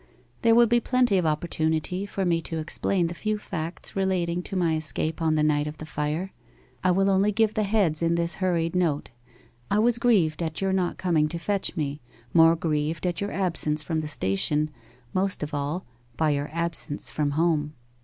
'"There will be plenty of opportunity for me to explain the few facts relating to my escape on the night of the fire. I will only give the heads in this hurried note. I was grieved at your not coming to fetch me, more grieved at your absence from the station, most of all by your absence from home.